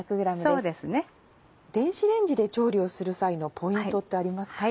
電子レンジで調理をする際のポイントってありますか？